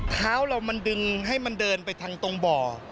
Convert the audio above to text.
เท้าเรามันดึงให้มันเดินไปทางตรงบ่อ